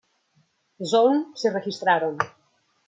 Zone se registraron.